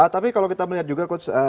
tapi kalau kita melihat juga coach